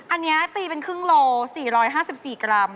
อันนี้ตีเป็นครึ่งโล๔๕๔กรัม